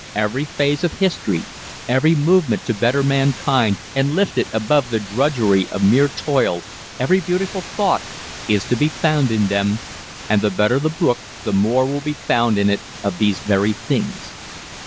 Every phase of history, every movement to better mankind and lift it above the drudgery of mere toil, every beautiful thought is to be found in them and the better the book the more will be found in it of these very things.